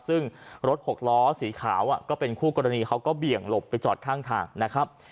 ซึ่งรถหกล้อสีขาวก็เป็นคู่กรณีเขาก็เบี่ยงหลบไปจอดข้างทางนะครับ